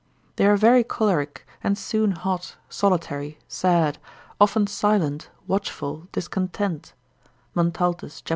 They are very choleric, and soon hot, solitary, sad, often silent, watchful, discontent, Montaltus, cap.